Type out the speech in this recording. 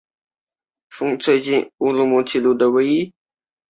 而其中一名调查员就是搜查一课的刑警新田浩介。